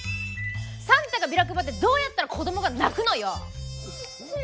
サンタがビラ配ってどうやったら子供が泣くのよ！